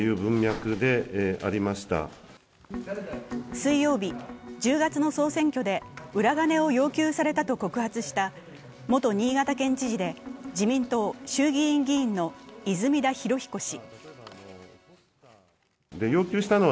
水曜日、１０月の総選挙で裏金を要求されたと告発した元新潟県知事で自民党衆議院議員の泉田裕彦氏。